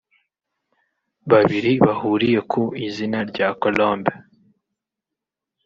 babiri bahuriye ku izina rya Colombe